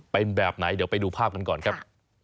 เป็นแบบไหนเดี๋ยวไปดูภาพกันก่อนครับ